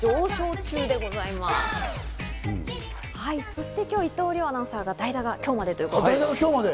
そして今日、伊藤遼アナウンサー、代打が今日までということで。